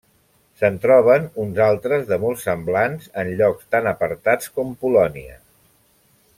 Se'n troben uns altres de molt semblants en llocs tan apartats com Polònia.